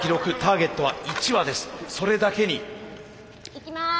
いきます！